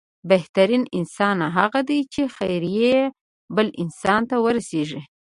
بهترين انسان هغه دی چې، خير يې بل انسان ته رسيږي.